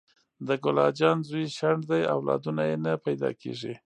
د ګل اجان زوی شنډ دې اولادونه یي نه پیداکیږي